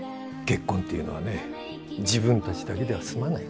結婚っていうのはね自分たちだけでは済まないから。